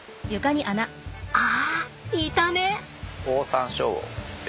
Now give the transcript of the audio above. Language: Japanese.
あいたね！